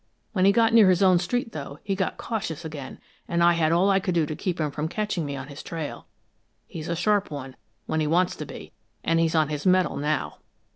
When he got near his own street, though, he got cautious again, and I had all I could do to keep him from catching me on his trail he's a sharp one, when he wants to be, and he's on his mettle now."